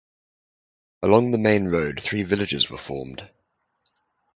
Along the main road three villages were formed.